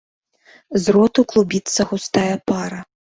З роту клубіцца густая пара.